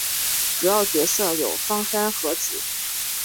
主要角色有芳山和子。